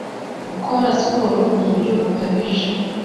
Gukora siporo ku buryo bukabije